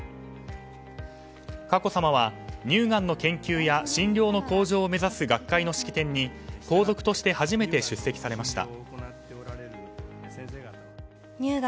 佳子さまは乳がんの研究や診療の向上を目指す学会の式典に皇族として初めて出席しました。